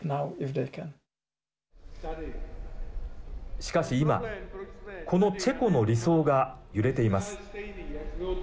しかし今このチェコの理想が揺れています。